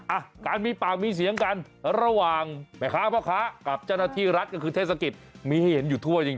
อ่ะการมีปากมีเสียงกันระหว่างแม่ค้าพ่อค้ากับเจ้าหน้าที่รัฐก็คือเทศกิจมีให้เห็นอยู่ทั่วจริง